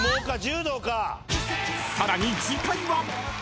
［さらに次回は］